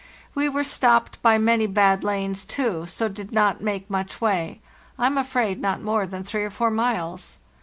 We were stopped by many bad lanes, too, so did not make much way—I am afraid not more than three or four miles.